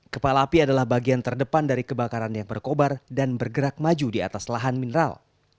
kepala api adalah bagian terdepan dari kebakaran yang berkobar dan bergerak maju di atas lahan mineral